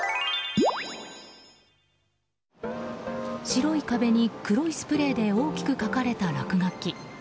白い壁に黒いスプレーで大きく書かれた落書き。